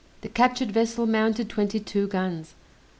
The captured vessel mounted twenty two guns.